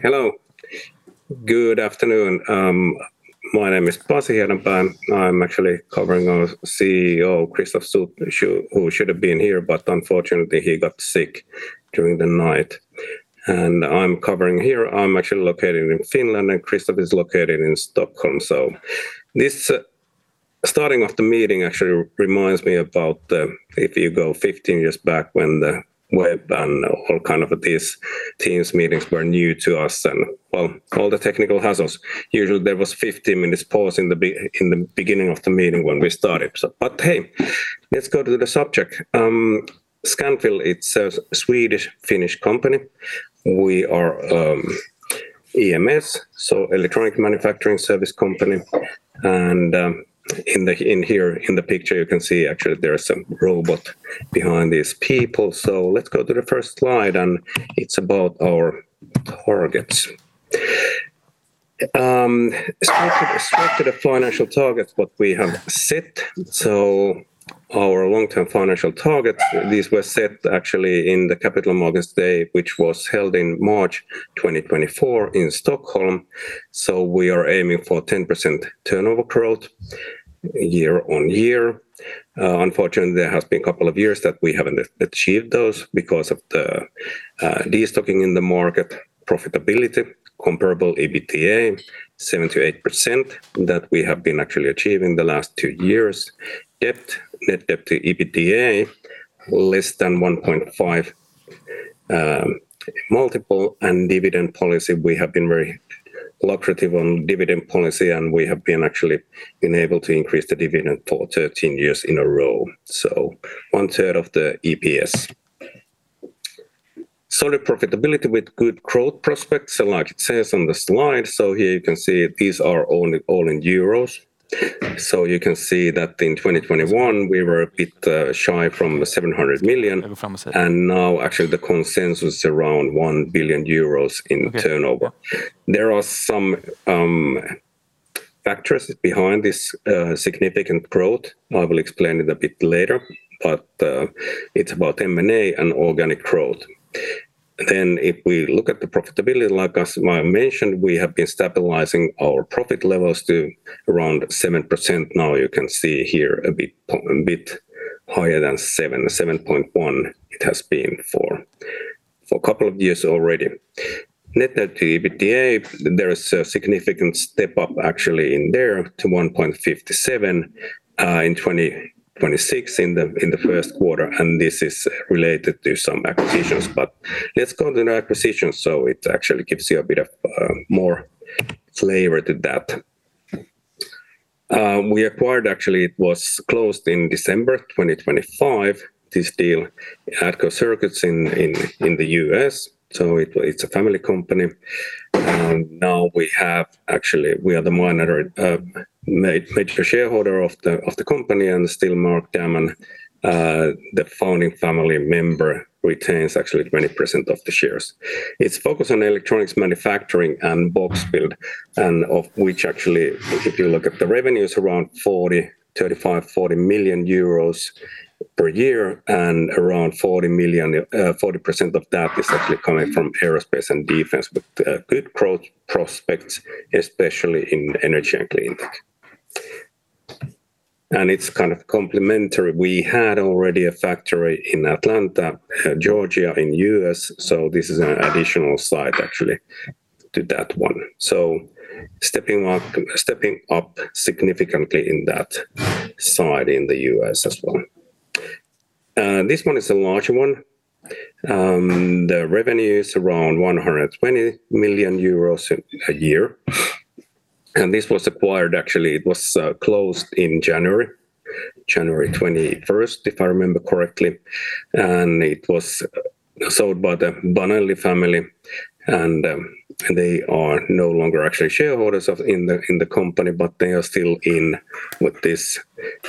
Hello. Good afternoon. My name is Pasi Hiedanpää and I'm covering our CEO, Christophe Sut, who should have been here, but unfortunately, he got sick during the night. I'm covering here. I'm located in Finland, and Christophe is located in Stockholm. This starting of the meeting actually reminds me about if you go 15 years back when the web and all these Teams meetings were new to us and all the technical hassles. Usually, there was 15 minutes pause in the beginning of the meeting when we started. Hey, let's go to the subject. Scanfil, it's a Swedish-Finnish company. We are EMS, so electronic manufacturing service company, and in here, in the picture, you can see there is some robot behind these people. Let's go to the first slide, and it's about our targets. Straight to the financial targets that we have set. Our long-term financial targets, these were set actually in the Capital Markets Day, which was held in March 2024 in Stockholm. We are aiming for 10% turnover growth year-over-year. Unfortunately, there has been a couple of years that we haven't achieved those because of the de-stocking in the market. Profitability, comparable EBITDA, 7%-8%, that we have been actually achieving the last two years. Debt, net debt to EBITDA, less than 1.5 multiple. Dividend policy, we have been very lucrative on dividend policy, and we have been able to increase the dividend for 13 years in a row, so one third of the EPS. Solid profitability with good growth prospects, like it says on the slide. Here you can see these are all in EUR. You can see that in 2021, we were a bit shy from 700 million, and now actually the consensus around 1 billion euros in turnover. There are some factors behind this significant growth. I will explain it a bit later, but it's about M&A and organic growth. If we look at the profitability, like I mentioned, we have been stabilizing our profit levels to around 7%. Now you can see here a bit higher than 7%, 7.1% it has been for a couple of years already. Net debt to EBITDA, there is a significant step up actually in there to 1.57 in 2026 in the first quarter, and this is related to some acquisitions. Let's go to the acquisitions, it actually gives you a bit of more flavor to that. We acquired, actually it was closed in December 2025, this deal, ADCO Circuits in the U.S. It's a family company. Now we are the minor major shareholder of the company, and still [Mark Damon], the founding family member, retains actually 20% of the shares. It's focused on electronics manufacturing and box build, and of which actually, if you look at the revenues, around 35 million-40 million euros per year and around 40% of that is actually coming from aerospace and defense, with good growth prospects, especially in energy and clean tech. It's kind of complementary. We had already a factory in Atlanta, Georgia in the U.S., this is an additional site actually to that one. Stepping up significantly in that side in the U.S. as well. This one is a larger one. The revenue is around 120 million euros a year. This was acquired, actually, it was closed in January 21st, if I remember correctly. It was sold by the Banelli family, and they are no longer actually shareholders in the company, but they are still in with this.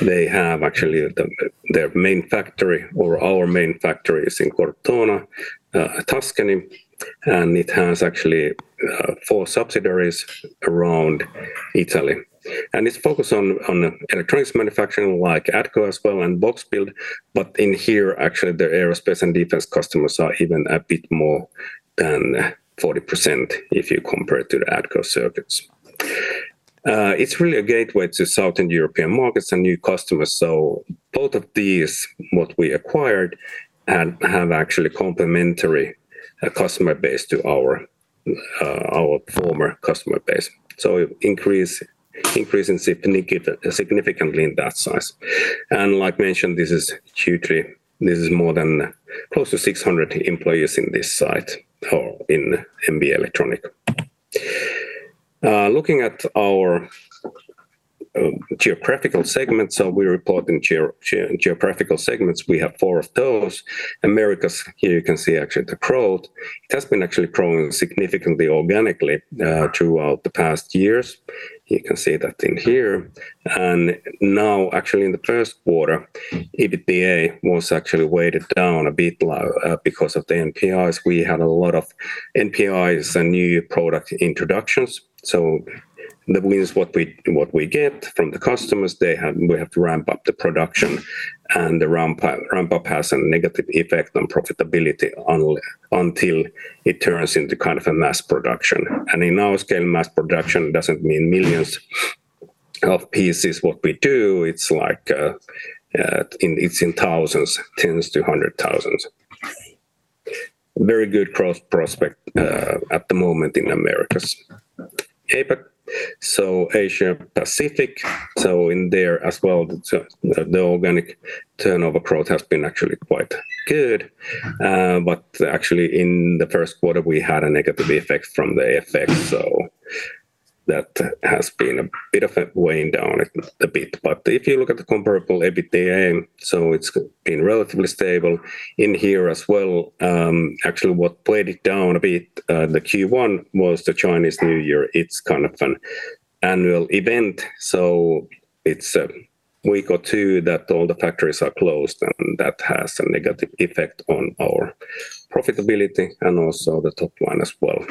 They have actually their main factory, or our main factory is in Cortona, Tuscany, and it has actually four subsidiaries around Italy. It's focused on electronics manufacturing, like ADCO as well, and box build, but in here, actually, the aerospace and defense customers are even a bit more than 40% if you compare it to the ADCO Circuits. It's really a gateway to Southern European markets and new customers. Both of these, what we acquired, have actually complementary customer base to our former customer base. Increase significantly in that size. Like mentioned, this is Q3. This is close to 600 employees in this site, or in MB Elettronica. Looking at our geographical segments, we report in geographical segments. We have four of those. Americas, here you can see actually the growth. It has been actually growing significantly organically, throughout the past years. You can see that in here. Now, actually in the first quarter, EBITDA was actually weighted down a bit low because of the NPIs. We had a lot of NPIs and New Product Introductions. That means what we get from the customers, we have to ramp up the production, and the ramp up has a negative effect on profitability until it turns into a mass production. In our scale, mass production doesn't mean millions of pieces what we do. It's in thousands, tens to 100 thousands. Very good growth prospect at the moment in Americas. AP, Asia Pacific, in there as well, the organic turnover growth has been actually quite good. Actually, in the first quarter, we had a negative effect from the FX. That has been weighing down a bit. If you look at the comparable EBITDA, it's been relatively stable in here as well. Actually, what played it down a bit the Q1 was the Chinese New Year. It's kind of an annual event, so it's a week or two that all the factories are closed, and that has a negative effect on our profitability and also the top line as well.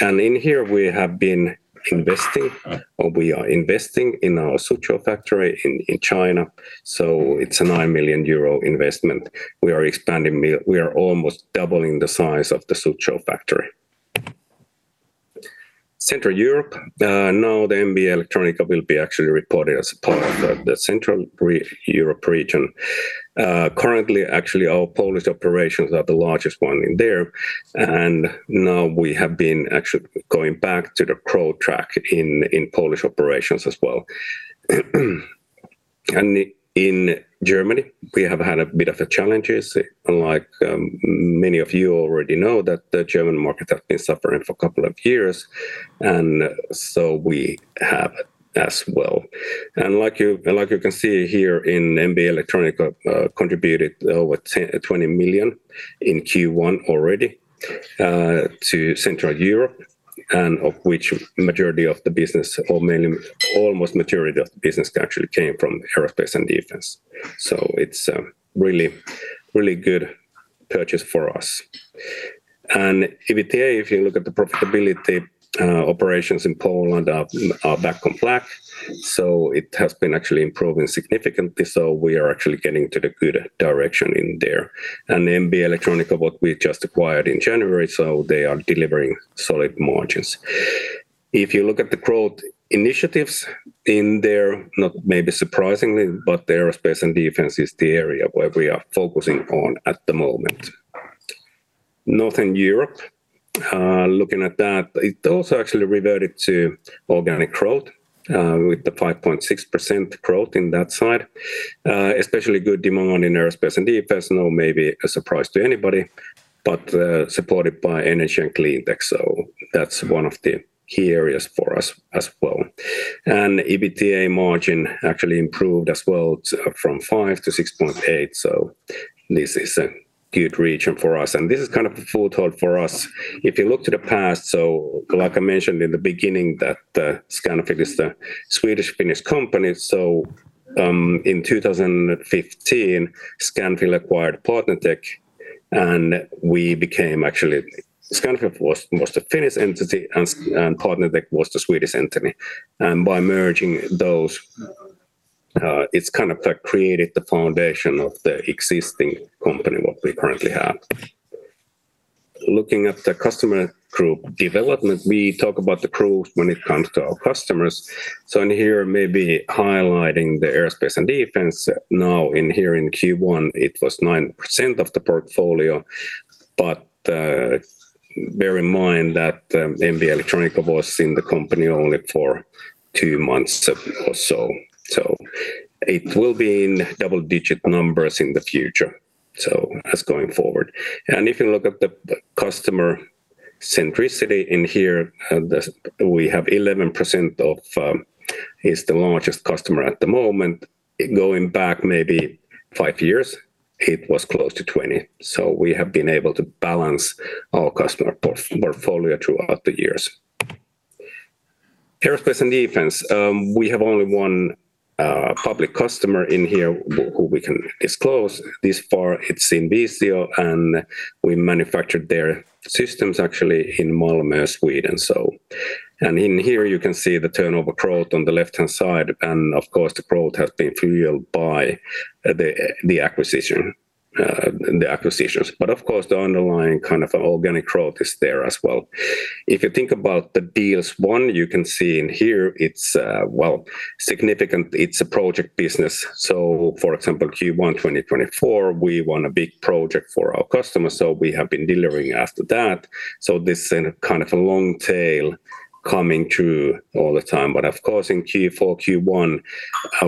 In here we have been investing, or we are investing in our Suzhou factory in China, so it's a 9 million euro investment. We are almost doubling the size of the Suzhou factory. Central Europe. Now the MB Elettronica will be actually reported as part of the Central Europe region. Currently, actually, our Polish operations are the largest one in there, now we have been actually going back to the growth track in Polish operations as well. In Germany, we have had a bit of a challenges, unlike many of you already know that the German market has been suffering for a couple of years, we have as well. Like you can see here in MB Elettronica, contributed over 20 million in Q1 already to Central Europe, of which majority of the business, or mainly almost majority of the business actually came from Aerospace and Defense. It's a really good purchase for us. EBITDA, if you look at the profitability operations in Poland are back on black. It has been actually improving significantly. We are actually getting to the good direction in there. MB Elettronica, what we just acquired in January, so they are delivering solid margins. If you look at the growth initiatives in there, not maybe surprisingly, but the Aerospace and Defense is the area where we are focusing on at the moment. Northern Europe, looking at that, it also actually reverted to organic growth, with the 5.6% growth in that side. Especially good demand in Aerospace and Defense, not maybe a surprise to anybody, but supported by Energy and Cleantech, so that's one of the key areas for us as well. EBITDA margin actually improved as well from 5%-6.8%, so this is a good region for us. This is kind of a foothold for us. If you look to the past, so like I mentioned in the beginning, that Scanfil is the Swedish-Finnish company. In 2015, Scanfil acquired PartnerTech, and we became Scanfil was the Finnish entity and PartnerTech was the Swedish entity. By merging those, it's kind of created the foundation of the existing company, what we currently have. Looking at the customer group development, we talk about the growth when it comes to our customers. So in here may be highlighting the Aerospace and Defense. Now in here in Q1, it was 9% of the portfolio. But bear in mind that MB Elettronica was in the company only for two months or so. It will be in double-digit numbers in the future, so as going forward. If you look at the customer centricity in here, we have 11% of, is the largest customer at the moment. Going back maybe five years, it was close to 20. We have been able to balance our customer portfolio throughout the years. Aerospace and Defense. We have only one public customer in here who we can disclose thus far. It's INVISIO, and we manufactured their systems actually in Malmö, Sweden. In here you can see the turnover growth on the left-hand side, and of course, the growth has been fueled by the acquisitions. But of course, the underlying kind of organic growth is there as well. If you think about the deals won, you can see in here it's significant. It's a project business. For example, Q1 2024, we won a big project for our customer, so we have been delivering after that. This kind of a long tail coming through all the time. But of course, in Q4, Q1,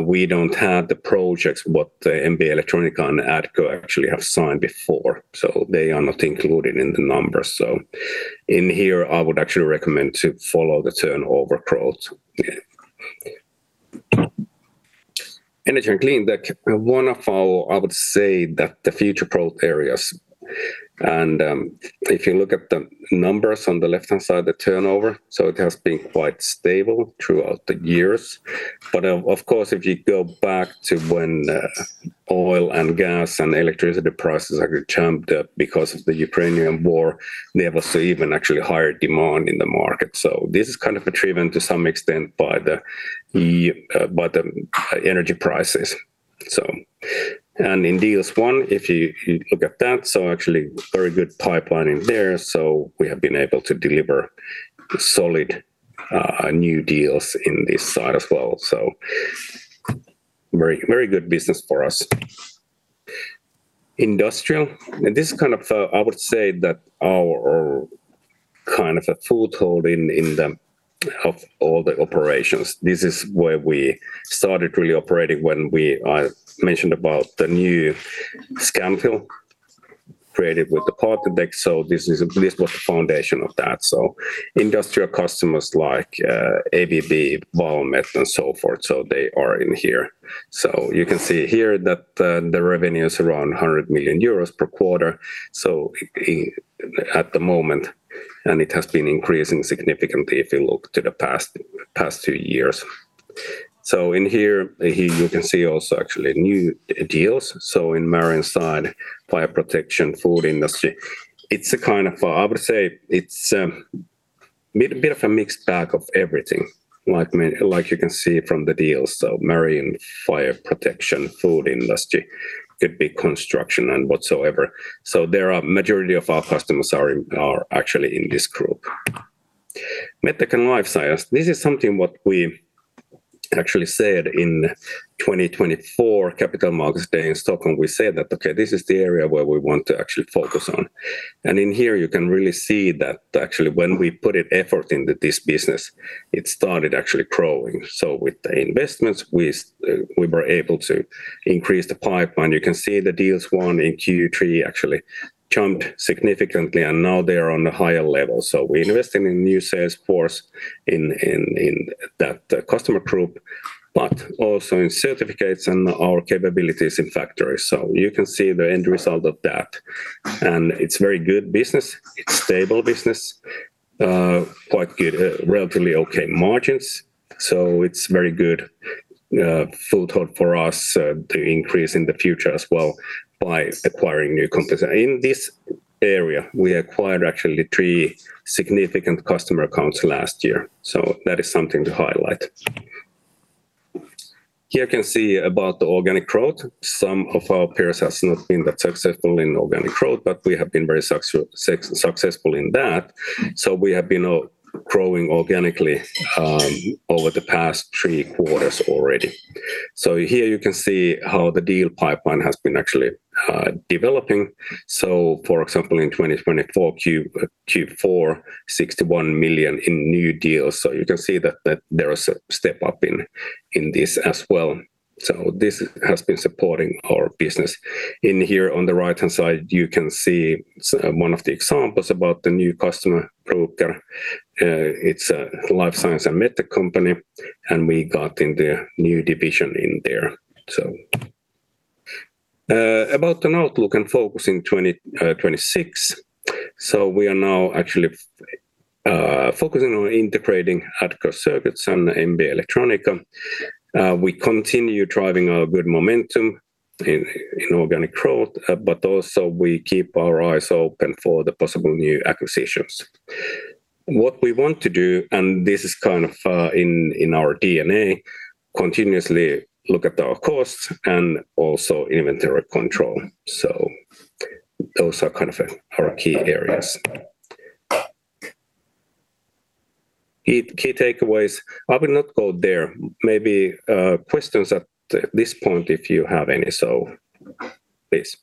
we don't have the projects, what the MB Elettronica and ADCO actually have signed before. They are not included in the numbers. In here, I would actually recommend to follow the turnover growth. Energy and Cleantech, one of our, I would say that the future growth areas. If you look at the numbers on the left-hand side, the turnover, so it has been quite stable throughout the years. But of course, if you go back to when oil and gas and electricity prices actually jumped up because of the Ukrainian War. There was even actually higher demand in the market. This is kind of driven to some extent by the energy prices. In deals won, if you look at that, so actually very good pipeline in there. We have been able to deliver solid new deals in this side as well. Very good business for us. Industrial, this is, I would say that our kind of a foothold in the of all the operations, this is where we started really operating when we I mentioned about the new Scanfil created with the PartnerTech, so this was the foundation of that. Industrial customers like ABB, Valmet, and so forth, so they are in here. You can see here that the revenue is around 100 million euros per quarter, at the moment, and it has been increasing significantly if you look to the past two years. In here, you can see also actually new deals. In marine side, fire protection, food industry. I would say it's bit of a mixed bag of everything, like you can see from the deals. Marine, fire protection, food industry, could be construction and whatsoever. Majority of our customers are actually in this group. MedTech and Life Science, this is something what we actually said in 2024 Capital Markets Day in Stockholm, we said that, okay, this is the area where we want to actually focus on. And in here you can really see that actually when we put effort into this business, it started actually growing. With the investments, we were able to increase the pipeline. You can see the deals won in Q3 actually jumped significantly, and now they are on a higher level. So, we're investing in new sales force in that customer group, but also in certificates and our capabilities in factories. You can see the end result of that. And it's very good business, it's stable business, quite good, relatively okay margins. So, it's very good foothold for us to increase in the future as well by acquiring new companies. In this area, we acquired actually three significant customer accounts last year. So that is something to highlight. Here can see about the organic growth. Some of our peers has not been that successful in organic growth, but we have been very successful in that. So we have been growing organically over the past three quarters already. Here you can see how the deal pipeline has been actually developing. For example, in 2024 Q4, 61 million in new deals. So you can see that there is a step up in this as well. So this has been supporting our business. In here, on the right-hand side, you can see one of the examples about the new customer, Bruker. It's a Life Science and MedTech company, and we got in the new division in there. About the outlook and focus in 2026. We are now actually focusing on integrating ADCO Circuits and MB Elettronica. We continue driving our good momentum in organic growth, but also we keep our eyes open for the possible new acquisitions. What we want to do, and this is kind of in our DNA, continuously look at our costs and also inventory control. So those are kind of our key areas. Key takeaways. I will not go there. Maybe questions at this point if you have any. Please.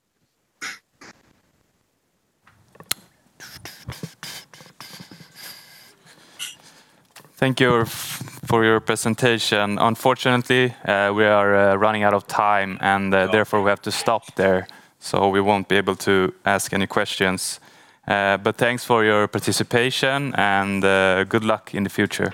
Thank you for your presentation. Unfortunately, we are running out of time, and therefore we have to stop there, so we won't be able to ask any questions. Thanks for your participation and good luck in the future